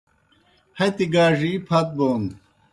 ہتی گاڙی پھت بون